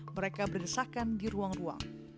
mereka berdesakan di ruang ruang